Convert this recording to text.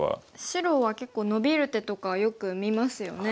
白は結構ノビる手とかをよく見ますよね。